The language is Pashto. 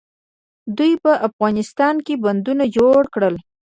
دوی په افغانستان کې بندونه جوړ کړل.